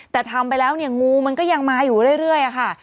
แต่ทำไปแล้วเนี่ยงูมันก็ยังมาอยู่เรื่อยค่ะ